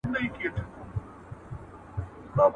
کمیسیونونه څه ډول موضوعات څیړي؟